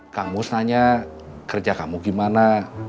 kang mus nanya kerja kamu gimana